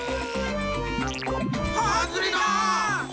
はずれだ！